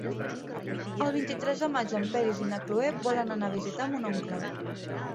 El vint-i-tres de maig en Peris i na Cloè volen anar a visitar mon oncle.